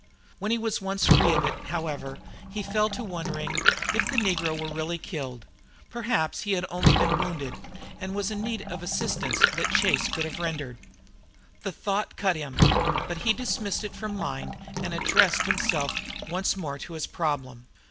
When he was once free of it, however, he fell to wondering if the negro were really killed. Perhaps he had only been wounded and was in need of assistance that Chase could have rendered. This thought cut him, but he dismissed it from mind, and addressed himself once more to his problem.